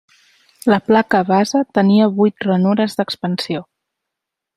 La placa base tenia vuit ranures d’expansió.